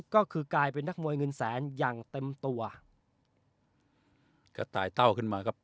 ก็คือกลายเป็นนักมวยเงินแสนอย่างเต็มตัวกระต่ายเต้าขึ้นมาครับ